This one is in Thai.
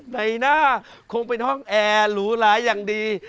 ในหน้าคงเป็นห้องแอร์หรูหลายอย่างดี